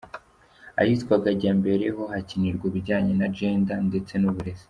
ahitwaga Jyambere ho hakinirwaga ibijyanye na Gender , ndetse nuburezi.